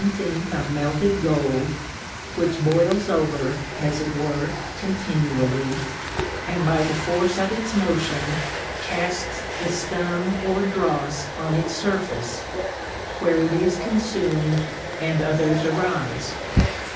109 think of melted Gold, which boils over (as it were ) continually, and by the force of its Motion, carts the Scum or Drofs on its Surface, where it is con fumM, and others arife.